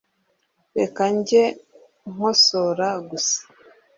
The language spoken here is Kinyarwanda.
Reka njye nkosora gusa